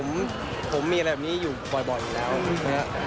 ปกติผมมีแบบนี้อยู่บ่อยเฉลิงแหละอีกแล้ว